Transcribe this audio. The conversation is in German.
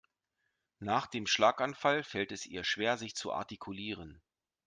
Nach dem Schlaganfall fällt es ihr schwer sich zu artikulieren.